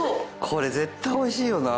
これ絶対おいしいよな。